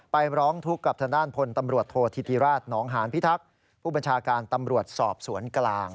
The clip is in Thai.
ร้องทุกข์กับทางด้านพลตำรวจโทษธิติราชหนองหานพิทักษ์ผู้บัญชาการตำรวจสอบสวนกลาง